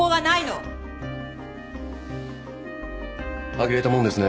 あきれたもんですね。